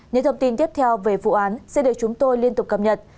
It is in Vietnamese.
những thông tin tiếp theo về vụ án sẽ được chúng tôi liên tục cập nhật